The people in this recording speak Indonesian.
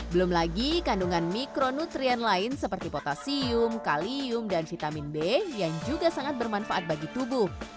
belum lagi kandungan mikronutrien lain seperti potasium kalium dan vitamin b yang juga sangat bermanfaat bagi tubuh